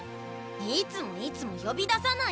いつもいつも呼び出さないでっ！